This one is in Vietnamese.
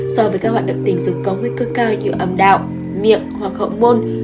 so với các hoạt động tình dục có nguyên cơ cao như âm đạo miệng hoặc hậu môn